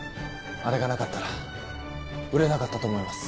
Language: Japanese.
あれがなかったら売れなかったと思います。